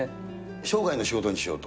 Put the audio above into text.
生涯の仕事にしようと。